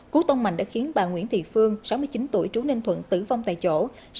cú tông mạnh đã khiến bà nguyễn thị phương sáu mươi chín tuổi trú ninh thuận tử vong tại chỗ